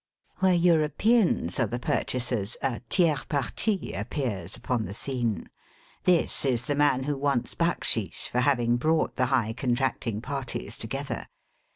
Where Europeans are the purchasers a tiers parti appears upon the scene. This is the man who wants backsheesh for having brought the high contracting parties together.